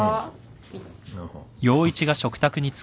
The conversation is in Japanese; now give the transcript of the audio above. はい。